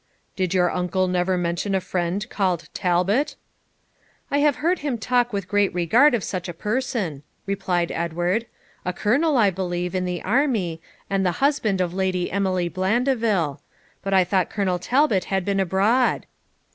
'Did your uncle never mention a friend called Talbot?' 'I have heard him talk with great regard of such a person,' replied Edward; 'a colonel, I believe, in the army, and the husband of Lady Emily Blandeville; but I thought Colonel Talbot had been abroad.'